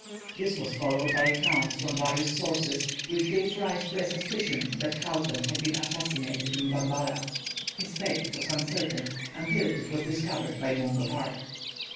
This was followed by accounts from various sources, which gave rise to a suspicion that Houghton had been assassinated in Bambara. His fate was uncertain until it was discovered by Mungo Park.